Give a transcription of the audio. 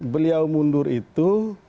beliau mundur itu